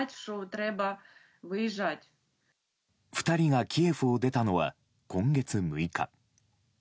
２人がキエフを出たのは今月６日。